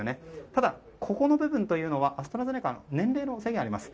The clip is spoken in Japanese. ただ、ここの部分というのはアストラゼネカ年齢の制限があります。